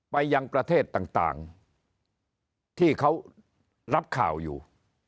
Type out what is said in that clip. ไปยังประเทศต่างที่เขารับข่าวอยู่